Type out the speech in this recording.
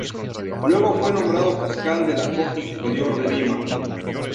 Luego fue nombrado fiscal de la Corte Superior de Lima.